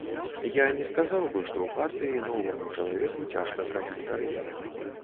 Я не сказаў бы што ў партыі новаму чалавеку цяжка зрабіць кар'еру.